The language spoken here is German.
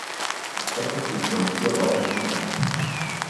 Die Strecke blieb rund vier Wochen gesperrt.